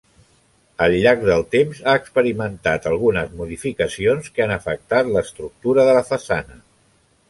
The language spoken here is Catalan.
Al llarg del temps ha experimentat algunes modificacions que han afectat l'estructura de la façana.